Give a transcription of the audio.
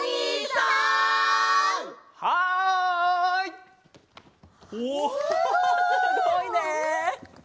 すごいね！